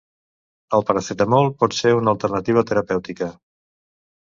El paracetamol pot ser una alternativa terapèutica.